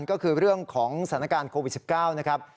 ก็คือเรื่องของสถานการณ์โควิด๑๙นะครับ